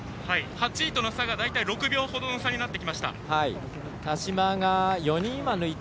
８位との差が大体６秒ほどの差になってきました。